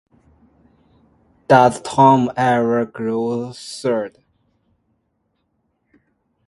Does Tom ever grow tired?